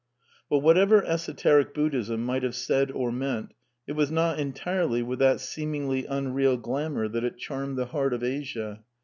But whatever esoteric Buddhism might have said or meant, it was not entirely with that seemingly imreal glamour that it charmed the heart of Asia.